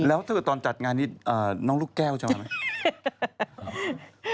แล้วถ้าเกิดตอนจัดงานนี้น้องลูกแก้วจะเอาไหม